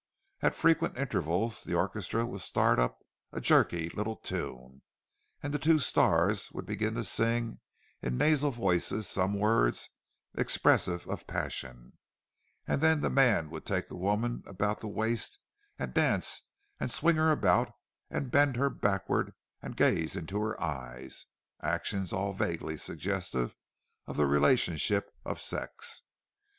At frequent intervals the orchestra would start up a jerky little tune, and the two "stars" would begin to sing in nasal voices some words expressive of passion; then the man would take the woman about the waist and dance and swing her about and bend her backward and gaze into her eyes—actions all vaguely suggestive of the relationship of sex.